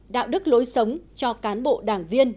đạo đức lối sống cho cán bộ đảng viên